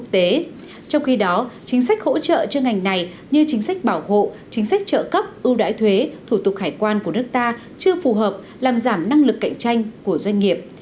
trong khi đó chính sách hỗ trợ cho ngành này như chính sách bảo hộ chính sách trợ cấp ưu đãi thuế thủ tục hải quan của nước ta chưa phù hợp làm giảm năng lực cạnh tranh của doanh nghiệp